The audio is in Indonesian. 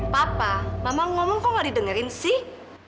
papa mama ngomong kok gak didengerin sih